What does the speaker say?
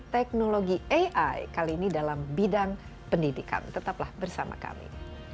teknologi ai kali ini dalam bidang pendidikan tetaplah bersama kami